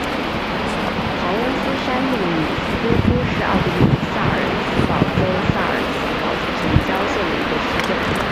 豪恩斯山麓努斯多夫是奥地利萨尔茨堡州萨尔茨堡城郊县的一个市镇。